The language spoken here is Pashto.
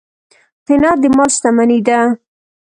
قناعت د مال شتمني ده.